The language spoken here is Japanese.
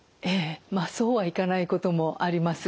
まあそうはいかないこともあります。